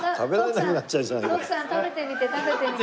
徳さん食べてみて食べてみて。